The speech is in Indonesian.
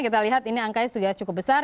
kita lihat ini angkanya sudah cukup besar